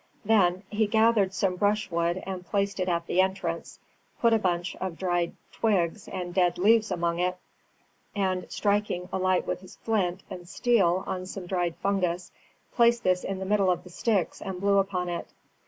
Then he gathered some brushwood and placed it at the entrance, put a bunch of dried twigs and dead leaves among it, and, striking a light with his flint and steel on some dried fungus, placed this in the middle of the sticks and blew upon it.